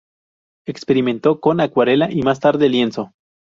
Experimentó con acuarela y más tarde lienzo.